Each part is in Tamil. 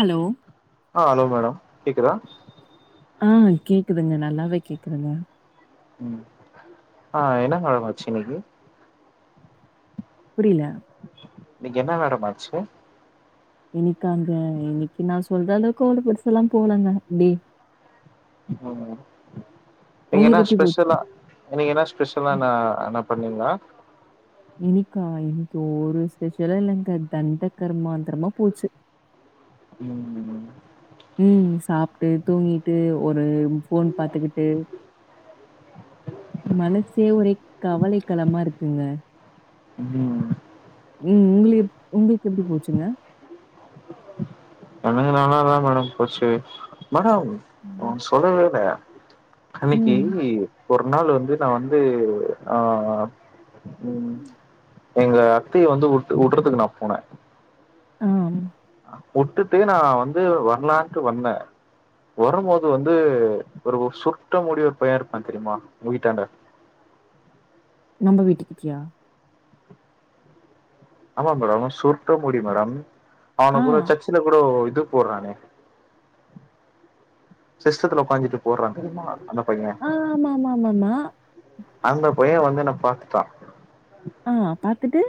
ஹலோ ஆ ஹலோ மேடம் கேக்குதா ஆ கேக்குதுங்க நல்லாவே கேக்குதுங்க ம் ஆ என்ன மேம் ஆச்சி இன்னக்கி புரியல இன்னக்கி என்ன மேடம் ஆச்சு இன்னிக்காங்க இன்னிக்கி நா சொல்ற அளவுக்கு அவ்ளோ பெருசா லா போலங்க டே ஓ இன்னக்கி என்ன உங்களுக்கு எப்டி போச்சு? ஸ்பெஷலா இன்னைக்கு என்ன ஸ்பெஷலான என்ன பண்ணீங்லா இன்னிகா இன்னைக்கு ஒரு ஸ்பெஷலு இல்லங்க தண்டக்கரு மாந்தரமா போச்சி ம் ம் சாப்ட்டு தூங்கிட்டு ஒரு ஃபோன் பாத்துக்கிட்டு மனசே ஒரே கவலைக் களமா இருக்குங்க ம் ம் உங்களு எப் உங்களுக்கு எப்டி போச்சுங்க எனக்கு நல்லா தா மேடம் போச்சி மேடம் ஒண்ணு சொல்லவேல்ல அன்னைக்கி ம் ஒரு நாள் வந்து நா வந்து ஆ ம் எங்க அத்தைய வந்து வுட்டு வுட்றதுக்கு நா போனே ஆ உட்டுட்டு நா வந்து வரலான்ட்டு வந்தே வரம் போது வந்து ஒரு சுருட்ட முடியா ஒரு பைய இருப்பா தெரியுமா உங்க வீட்டாண்ட நம்ப வீட்டுக்கிட்டியா ஆமா மேடம் சுருட்ட முடி மேடம் அவனு ஆ கூட சர்ச்சில கூடோ இது போறானே சிஸ்டத்துல உக்காஞ்சிட்டு போர்றா தெரியுமா அந்த பைய ஆ ஆமாமாமாமா. அந்த பைய வந்து என்ன பாத்துட்டா ஆ பாத்துட்டு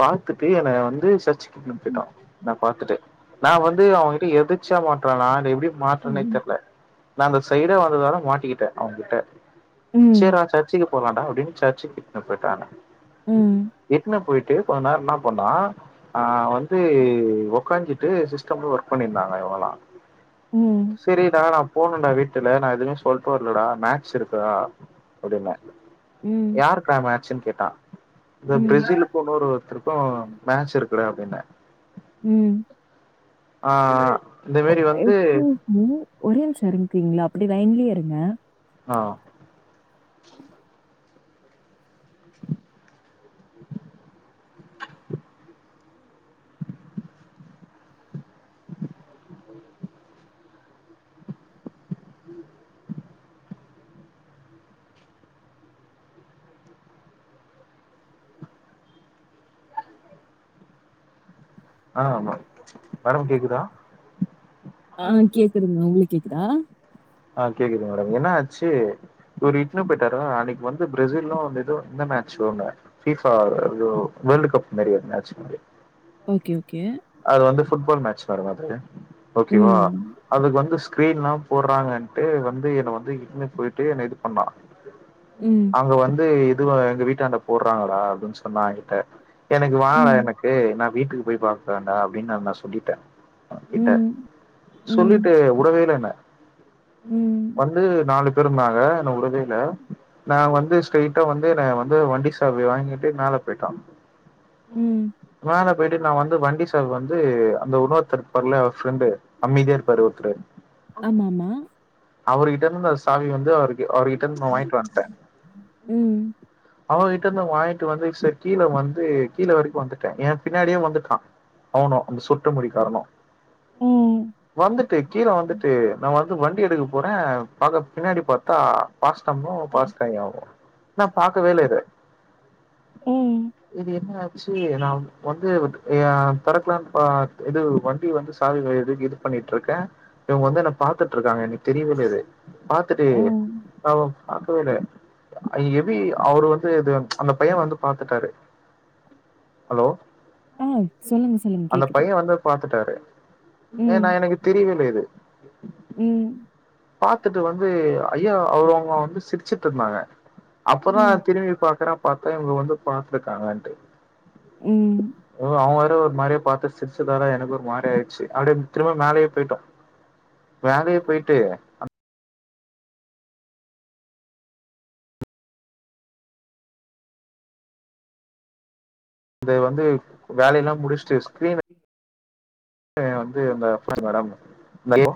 பாத்துட்டு என்ன வந்து சர்ச்சிக் இட்னு ம் போய்ட்டா நா பாத்துட்டு நா வந்து அவ கிட்ட எதுக் ச்சா மாட்றாங்ளா அது எப்டியோ மாட்றனே ம் தெர்ல நா அந்த சைடா வரதால மாட்டிக்கிட்ட அவ கிட்ட ம் சேர்றா சர்ச்சிக்கு போலாடா அப்டின் சர்ச்சுக் இட்னு போய்ட்டாங்க ம். இட்டுனு போய்ட்டு கொஞ்ச நேரோ இன்னா பன்னா ஆ வந்து ஒக்காஞ்சிட்டு சிஸ்டம்ல ஒர்க் பண்ணிருந்தாங்க இவுங்கள்ளா ம். செரிடா நா போனுடா வீட்டுல நா எதுவுமே சொல்ட்டு வர்லடா மேட்ச் இருக்கு டா அப்டின்ன ம். யார்க்கு டா மேச்சின் கேட்டா ப ம். பேரெசிலு போ இன்னொருத்தருக்கு மேட்ச் இருக்கு டா அப்டின்ன ம் ஆ இந்த ஒ மாரி வந்து எக்ஸ் கியூஸ் மி ஒரே நிமிஷோ எறங் கிரீங்ளா அப்டியே லைன்லயே இருங்க ஆ ஆ ஆமா மேடம் கேக்குதா ஆ கேக்குதுங்க உங்களுக் கேக்குதா ஆ கேக்குது மேடம் என்ன ஆச்சி ஒரு இட்னு போய்ட்டாரு டேறோ அன்னைக் வந்து பேரெசிலு அந்த இதுவு இந்த மேட்ச் ஒன்னு ஃபீபா எதோ வேல்ட் கப் மாரி ஒரு மேட்ச் ஓகே ஓகே அது வந்து ஃபுட்பால் மேட்ச் வர மாதிரி ஓகேவா ம். அதுக்கு வந்து ஸ்கிரீன்ல்லா போட்றாங்க டு வந்து என்ன வந்து இட்டுனு போய்ட்டு என்ன இது பண்ணா ம். அங்க வந்து இ இதுவா எங்க வீட்டாண்ட போட்றாங்க டா அப்டின் சொன்னா எகிட்ட எனக்கு வா ம். எனக் கு நா வீட்டுக்கு போய் பாக்கறண்டா அப்டின் நா நா சொல்லிட்டே அவ கிட்ட ம். ம். சொல்லிட்டு உடவே இல்ல என்ன ம். வந்து நாலு பேருந்தாங்க என்ன உடவே இல்ல நா வந்து ஸ்ரெய்ட்டா வந்து நா வந்து வண்டி சாவி வாங்கிட்டு மேல போய்ட்டா ம். மேல போய்ட்டு நா வந்து வண்டி சாவி வந்து அந்த உன்னோத்தர் இருப்பார்ல அவர் ஃப்ரெண்டு அமைதியா இருப்பாரு ஒருத்தரு ஆமாமா அவருகிட்ட இருந்து அந்த சாவி வந்து அவருக்கு அவர்கிட்ட இருந்து நா வாய்ங்ட்டு வந்ட்டே ம். அவ கிட்ட இருந்து வாங்கிட்டு வந்து செர் கீழ வந்து கீழ வரைக்கு வந்துட்டே ஏ பின்னாடியே வந்துட்டா அவனுஅந்த சுருட்ட முடி காரனு ம். வந்துட்டு கீழ வந்துட்டு நா வந்து வண் டி எடுக்க போறே பாக்க பின்னாடி பாத்தா பாஸ்டமோ பாஸ்டயாவோ நா பாக்கவே இல்லை ம். இத இது என்ன ஆச்சு நா வந்து அ திறக்கலான்னு இது வண்டி வந்து அது இது பண்ணிட்டு இருக்கே இவங்க வந்து என்ன பாத்துட்டு இருக் காங்க எனக்கு தெரியவே தெரியாது பாத்துட்டு ம். அவ பாக்கவே இல்ல அது எப்டி அவரு வந்து இது அந்த பைய வந்து பாத்துட்டாரு ஹலோ ஆ சொல்லுங்க, சொல்லுங்க அந்த கேக்குது. பைய வந்து பாத்துட்டாரு ம். ஏனா எனக்கு தெரியவே இல்ல இது ம் பாத்துட்டு வந்து ஐயா அவர் அங்க வந்து சிரிச்சுட்டு இருந்தாங்க அப்பதா ம். திரும்பி பாக்குற பாத்தா இவுங்க வந்து பாத்திருக்காங்கன்ட்டு ம் ஓ அவன் வேற ஒரு மாரியா பாத்து சிரிச்சதாலா எனக்கு ஒரு மாரி ஆயிச்சு அப்டியே திரும்ப மேலையே போயிட்டோ மேலையே போயிட்டு இத வந்து வேலையல்லா முடிஸ்ட்டு ஸ்கிரீன் வந்து அந்த [inaudible] மேடம்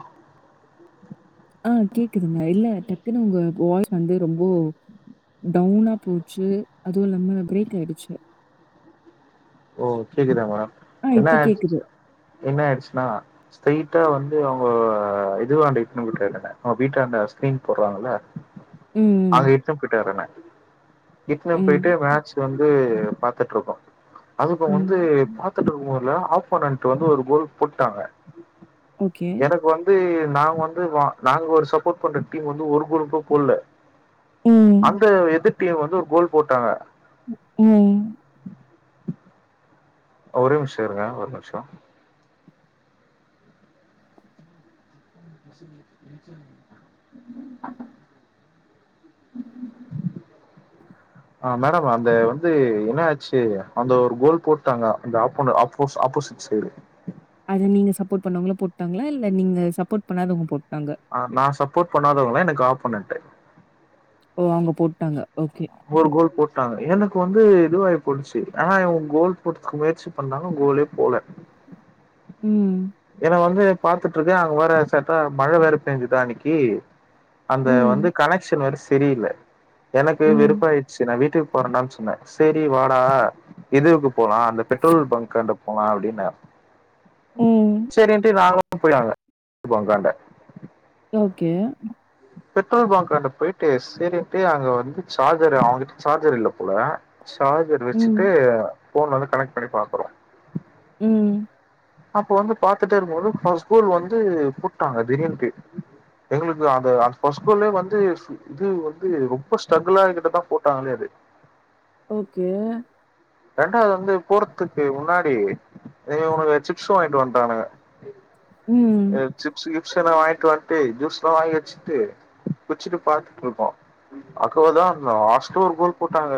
ஆ கேக்குதுங்க இல்ல டக்குன்னு உங்க வாய்ஸ் வந்து ரொம்போ டவுனா போச்சு அதுவு இல்லாம பிரேக் ஆயிடுச்சு ஓ கேக்குதா மேடம் ஆ என்னா இப்ப கேக்குது. என்ன ஆயிச்சுன்னா ஸ்ட்ரைட்டா வந்து அவுங்க இதுவாண்ட இட்னு போய்ட்டாங்க வீட்டான்ட ஸ்கிரீன் போடுறாங்கள ம், அங்க இட்டுன்னு போயிட்டு வரேன இட்டுன்ன ம், போயிட்டு மேட்ச் வந்து பாத்துட்டுருக்கோ அது இப்ப வந்து ம். பாத்துட்டு இருக்கும் போதுல ஆப்போனன்ட் வந்து ஒரு கோல் போட்டாங்க ஓகே. எனக்கு வந் து நா வந்து நாங்க ஒரு சப்போர்ட் பண்ற டீம் வந்து ஒரு குரூப்புகுள்ள ம், அந்த எதிர் டீம் வந்து ஒரு கோல் போட்டாங்க ம் ஒரே நிம்ஷ இருங்க ஒரு நிம்ஷோ [unintelligible] ஆ மேடம் அந்த வந்து என்ன ஆச்சு அந்த ஒரு கோல் போட்டாங்க அந்த ஆப்போன் ஆப்போ ஆப்போசிட் சேரி அது நீங்க சப்போர்ட் பண்ணவங்களே போட்டாங்களா இல்ல நீங்க சப்போர்ட் பண்ணாதவங்க போட் ஆ நா சப்போர்ட் பண்ணாதவங்கதா எனக்கு அப்போனென்ட்டு ஓ அவுங்க போட்டாங்க ஓகே ஒரு கோல் போட்டாங்க எனக்கு வந்து இதுவாயி போய்டுச்சு ஆனா இவுங்க கோல் போட்டதுக்கு முயற்சி பன்றாங்க கோலே போல ம் ஏன்னா வந்து பாத்துட்ருக்கே அங்க வேற சட்டா மழ வேற பெயஞ்சுதா அன்னைக்கு அந்த ம், வந்து கனெக்சன் வேற செரியில்ல எனக்கு ம், வெருப்பாயி செரி நா வீட்டுக்கு போறேன்டான்னு சொன்னே செரி வாடா இதுவுக்கு போலா அந்த பெட்ரோல் பங்க்காண்ட போலா அப்படின்னே ம் சேரின்ட்டு நாங்களு போய்டுவாங்க நானு போய் ஒக்காண்டே ஓகே. பெட்ரோல் பங்க்காண்டு போயிட்டு சேரின்ட்டு அங்க வந்து சார்ஜர் அவங்கிட்ட சார்ஜர் இல்ல போல சார்ஜர் ம், வெச்சுட்டு ஃபோன்ல இருந்து கனெக்ட் பண்ணி பாக்குறோ ம். அப்ப வந்து பாத்துட்டே இருக்கும்போது ஃபஸ் கோல் வந்து ட்டாங்க திடீன்ட்டு எங்களுக்கு அது அது ஃபர்ஸ்ட் ஃப்ளோர்லயே வந்து இது வந்து ரொம் ப ஸ்ட்ரகுலாகிட்டுதா போட்டாங்களே அது ஓகே ரெண்டாவது வந்து போறத்துக்கு முன்னாடி எ உனக்கு சிப்ஸ் வாங்கிட்டு வந் ட்டானுங்க ம், எப் சிப்ஸ் கிப்ஸெல்லா வாங்கிட்டு வந்ட்டு ஜூஸ் எல்லா வாங்கி வச்சுட்டு குச்சிட்டு பாத்துட்டுருப்போ அக்காவதா அந் லாஸ்ட்டா ஒரு கோல் போட்டாங்க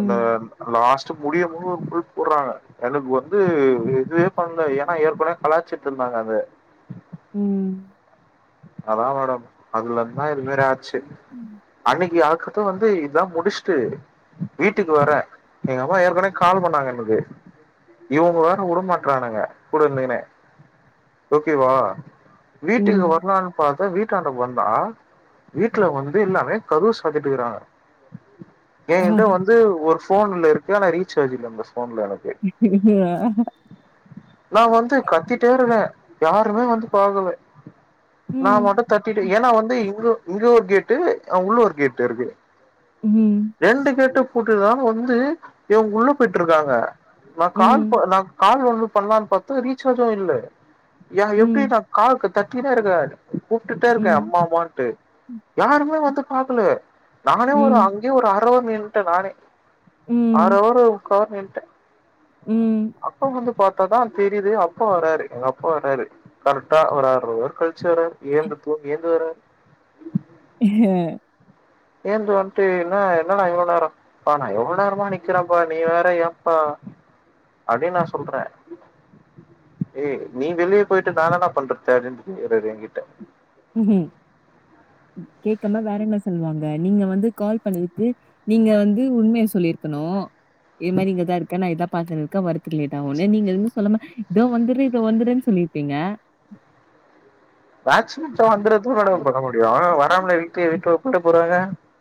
அந்த லாஸ்ட் முடியம்போது ஒரு கோல் போடுறாங்க எனக்கு வந்து எதுமே பந்த ஏனா ஏற்கனவே கலாச்சிட்ருந்தாங்க அது ம் அதா மேடம் அதுலந்தா இதுமாறி ஆச்சு ம் அன்னைக்கு எனக்கப்றோ வந்து இதா முடிச்சுட்டு வீட்டுக்கு வரே எங்க அம்மா ஏற்கனவே கால் பண்ணாங்க எனக்கு இவ்ங்க வேற உடமாட் ட்றானுங்க கூட இருந்துக்குனே ஓகேவா வீட்டுக்கு ம். வர வானு பாத்தா வீட்டாண்டக் வந்தா வீட்ல வந்து எல்லாமே கதவு சாத்திட்டுருக்றாங்க எங்கிட்ட ஆஹ். வந்து ஒரு ஃபோன்ல இருக்கு ஆனா ரிச்சார்ஜ் இல்ல அந்த ஃபோன்ல எனக் கு நா வந்து கத்தீட்டே இருகே யாருமே வந்து பாகல நா ம், மட்டு தட்டிட்டு ஏனா வந்து இவ்ளோ இங்க ஒரு கேட்டு அ உள்ள ஒரு கேட்டு இருக்கு ம், ரெண்டு கேட்டு பூட்டிருந்தால வந்து இவங் உள்ள போயிட்டுருக்காங்க நா கால் ப ம், நா கால் வந்து பண்ணலான் பாத்த ரீச்சார்ஜு இல்ல ஏ எப்டி ம், நா கால் க தட்டிக்குனே இருக்க கூப்ட்டுட்டே இருக்கே ம், அம்மா அம்மான்ட்டு யாருமே வந்து பாக்கல நானே ஒரு ம், அங் கிய ஒரு அர அவர் நின்னுட்டே நானே அர ம், அவர் முக்கா அவர் நின்ட்டே ம். அப்ப வந்து பாத்தாதா தெரியுது அப்பா வராரு எங்க அப்பா வராரு கரெக்டா வராரு ஒர் அர் ஆர் கழிச் சு வராரு ஏந்து தூங்கி எய்ந்து வராரு ஏந்து வந்ட்டு என்னா என்னடா இவ்ளோ நேரொ ப்பா நா எவ்ளோ நேரமா நிக்கிறேப்ப நீ வேற ஏம்ப்பா அப்டின் நா சொல்ற ! ! ! ! ! ! ! ! ! ! ம் கேக்காம வேற என்ன சொல்லுவாங்க நீங்க வந்து கால் பண்ணதுக்கு நீங்க வந்து உண்மைய சொல்லிருக்கணு இதே மாரி இங்கதா இருக்க நா இதா பாத்துன்னுக்கே வரதுக்கு லேட் ஆகு ஆனா நீங்க எதுவுமே சொல்லாம இதோ வந்துடுறே இதோ வந்துடுறேன் சொல்லிருப்பீங்க மேட்ச் முடிச்சோன வந்துறதா மேடம் பண்ண முடியு வராமல வீட்ல வீட்டோட போய்ட போறாங்க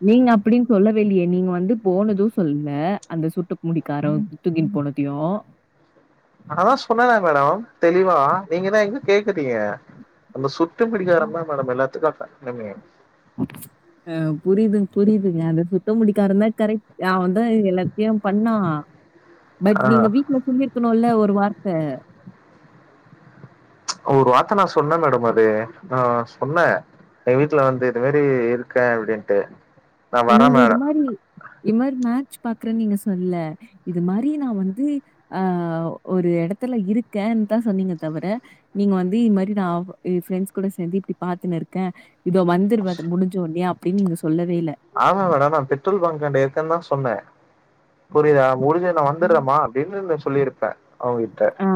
நீங்க அப்படின் சொல்லவேல்லியே நீங்க வந்து போனது சொல்லல அந்த சுருட்ட முடிக்காரவ் தூக்கின் போனதையு அததா சொன்னேல மேடோம் தெளிவா நீங்கதா எங்க கேக்குறீங்க அந்த சுருட்ட முடிகாரன்தா மேடம் எல்லாத்துக்கு காரணமே ஆ புரியுதுங் புரியுதுங்க அந்த சுருட்டமுடிக்காரன்தா கரெக்ட் அவந்தா எல்லாத்தையு பண்ணா பட் நீங்க வீட்ல சொல்லிருக்கணுல்ல ஒரு வார்த்த ஒரு வார்த்த நா சொன்ன மேடம் அது நா சொன்ன எங் வீட்ல வந்து இது மாரி இருக்கே அப்டின்ட்டு நா வரே நீங்க இது மேடம் மாரி இது மாரி மேட்ச் பாக்குறேன் நீங்க சொல்லல இது மாரி நா வந்து ஆ ஒரு எடத்துல இருக்கேன்தா சொன்னீங்க தவிர நீங்க வந்து இது மாரி நா ப்ரெண்ட்ஸ் கூட சேந்து இப்டி பாத்துன்னுருக்கே இதோ வந்திருவ அது முடிஞ்சோனே அப்டின் நீங்க சொல்லவே இல்ல ஆமா மேடம் நா பெட்ரோல் பங்க் அண்ட இருக்கேன்னு தா சொன்னே புரியுதா முடிஞ்ச நா ம். வந்துறமா அப்படின்னு சொல்லியிருப்பே அவங்க ஆ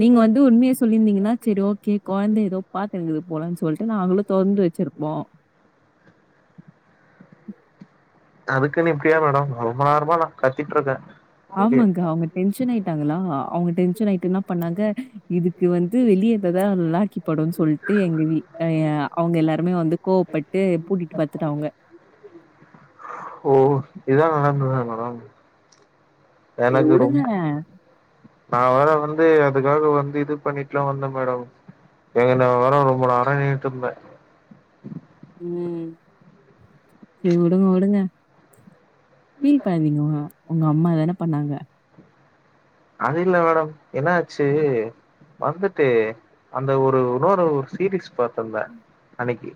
நீங்க வந்து உண்மைய சொ ல்லியிருந்தீங்கன்னா சரி ஓகே கொழந்தை ஏதோ பாத்திருக்குது போலன்னு சொல்லிட்டு நாங்களு தொறந்து வச்சிருப்போ அதுக்குன்னு இப்டியா மேடம் ரொம்ப நேரமா நா கத்திட்ருக்கே ஆமாங்க்கா அவங்க டென்ஷன் ஆயிட்டாங்களா அவங்க டென்ஷன் ஆயிட்டு என்னா பண்ணாங்க இதுக்கு வந்து வெளியேந்ததா நல்லா கி படுனு சொல்ட்டு எங்க வீ ய அவங்க எல்லாருமே வந்து கோவப்பட்டு பூட்டிட்டு படுத்துட்டாங்க ஓ இதுதா நடந்ததா மேடம் சரி எனக்கு விடுங்க. ரொம் நா வேற வந்து அதுக்காக வந்து இது பண்ணட்டுலா வந்தே மேடம் எங்க நா வேற ரொம்ப நேர நின்னுட்ருந்தே ம் சரி வுடுங்க வுடுங்க பீல் பண்ணாதீங்கோ ஒங்க அம்மா தான பண்ணாங்க அது இல்ல மேடம் என்னாச்சு வந்துட்டு அந்த ஒரு இன்னொரு ஒரு சீரீஸ் பாத்திருந்தே அன்னைக்கு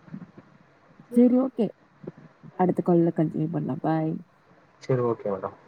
சரி ஓகே அடுத்த கால்ல கன்டினியூ பண்ணலா பாய் சரி ஓகே மேடம்